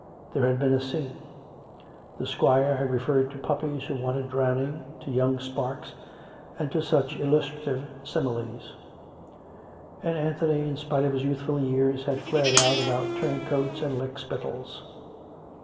There had been a scene. The squire had referred to puppies who wanted drowning, to young sparks, and to such illustrative similes; and Anthony, in spite of his youthful years, had flared out about turncoats and lick spittles.